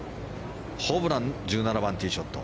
ホブラン、１７番ティーショット。